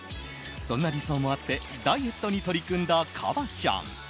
そんな理想もあってダイエットに取り組んだＫＡＢＡ．ちゃん。